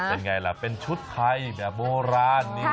เป็นไงล่ะเป็นชุดไทยแบบโบราณ